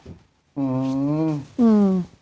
อืม